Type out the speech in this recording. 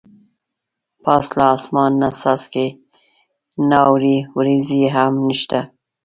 پاس له اسمان نه څاڅکي نه اوري ورېځې هم نشته.